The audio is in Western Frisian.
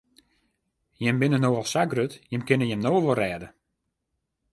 Jimme binne no al sa grut, jimme kinne jim no wol rêde.